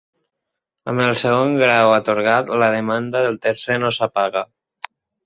Amb el segon grau atorgat, la demanda del tercer no s’apaga.